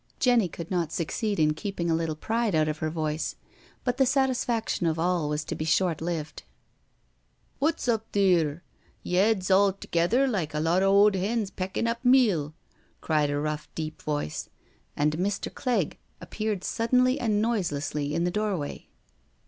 Jenny could not succeed in keeping a little pride out of her voice. But the satisfaction of all was to be short lived. " What's up theer? Yeads all together like a lot o' owd hens peckin' up meal," cried a rough, deep voice, and Mr. Clegg appeared suddenly and noiselessly in the doorway.